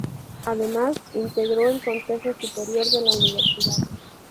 Además, integró el Consejo Superior de la universidad.